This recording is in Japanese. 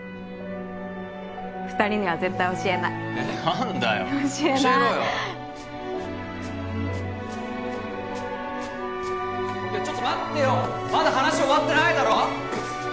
２人には絶対教えない何だよ教えない教えろよいやちょっと待ってよまだ話終わってないだろ？